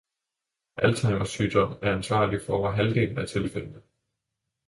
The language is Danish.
Alzheimers sygdom er ansvarlig for over halvdelen af tilfældene.